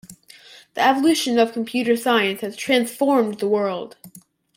The evolution of computer science has transformed the world.